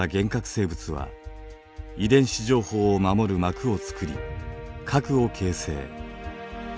生物は遺伝子情報を守る膜をつくり核を形成。